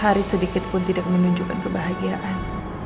hari sedikit pun tidak menunjukkan kebahagiaan